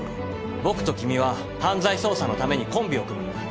僕と君は犯罪捜査のためにコンビを組むんだ。